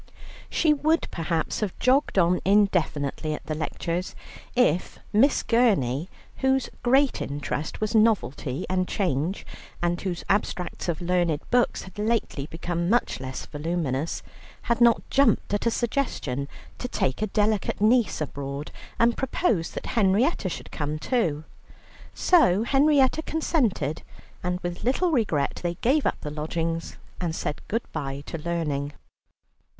She would perhaps have jogged on indefinitely at the lectures, if Miss Gurney, whose great interest was novelty and change, and whose abstracts of learned books had lately become much less voluminous, had not jumped at a suggestion to take a delicate niece abroad, and proposed that Henrietta should come too. So Henrietta consented, and with little regret they gave up the lodgings, and said good bye to learning.